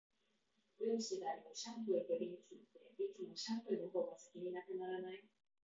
どうしてだろう、シャンプーとリンスって、いつもシャンプーの方が先に無くならない？